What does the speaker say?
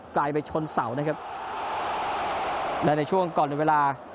ไกลไปชนเสานะครับและในช่วงก่อนเป็นเวลา